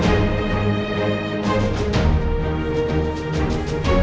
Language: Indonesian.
dan semoga mahasiswa kita